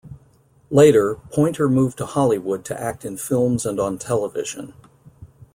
Later, Pointer moved to Hollywood to act in films and on television.